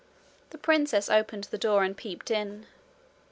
The princess opened the door and peeped in.